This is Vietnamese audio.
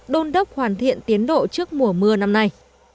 đôn đốc hoàn thiện tiến độ trước mùa mưa năm nay